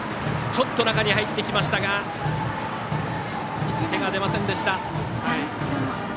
ちょっと中に入ってきましたが手が出ませんでした。